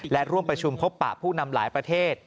และร่วมประชุมพบปะผู้นำหลายประเทศ